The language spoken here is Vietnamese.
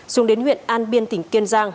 xuống đến huyện an biên tỉnh kiên giang